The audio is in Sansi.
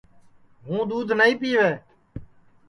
ہُوں دُؔودھ نائی پِیوے